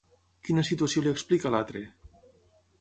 Quina situació li explica l'altre?